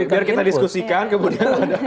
biar kita diskusikan kemudian